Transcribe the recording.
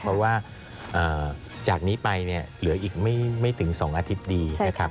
เพราะว่าจากนี้ไปเนี่ยเหลืออีกไม่ถึง๒อาทิตย์ดีนะครับ